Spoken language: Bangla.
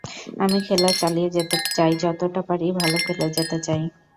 আমি খেলা চালিয়ে যেতে চাই, যতটা পারি ভালো খেলে যেতে চাই।